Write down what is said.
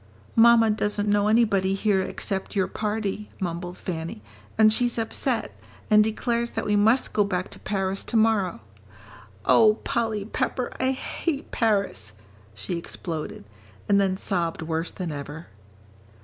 "Mamma doesn't know anybody here except your party," mumbled Fanny, "and she's upset, and declares that we must go back to Paris to morrow. Oh, Polly Pepper, I hate Paris," she exploded. And then sobbed worse than ever.